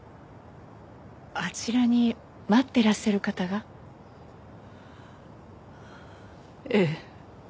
あちらに待っていらっしゃる方が？ええ。